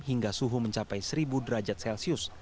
hingga suhu mencapai seribu derajat celcius